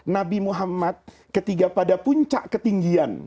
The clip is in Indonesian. nabi muhammad ketiga pada puncak ketinggian